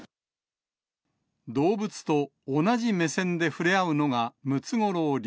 動物と同じ目線で触れ合うのがムツゴロウ流。